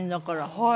はい。